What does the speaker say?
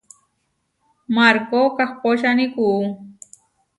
Markó kahpóčani kuú.